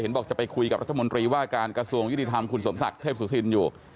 บอกจะไปคุยกับรัฐมนตรีว่าการกระทรวงยุติธรรมคุณสมศักดิ์เทพสุธินอยู่